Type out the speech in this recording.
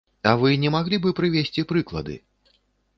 А вы не маглі бы прывесці прыклады?